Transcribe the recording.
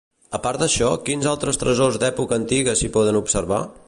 A part d'això, quins altres tresors d'època antiga s'hi poden observar?